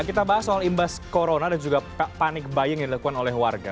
kita bahas soal imbas corona dan juga panik baying yang dilakukan oleh warga